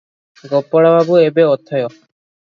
ଗୋପାଳବାବୁ ଏବେ ଅଥୟ ।